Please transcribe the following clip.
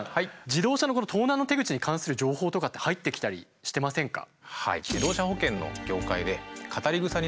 自動車の盗難の手口に関する情報とかって入ってきたりしてませんか？